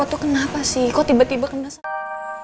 apa tuh kenapa sih kok tiba tiba kena sakit